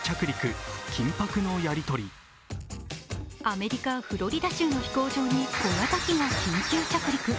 アメリカ・フロリダ州の飛行場に小型機が緊急着陸。